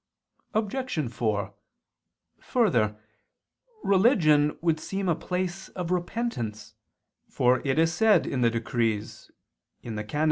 Obj. 4: Further, religion would seem a place of repentance; for it is said in the Decrees (VII, qu. i, can.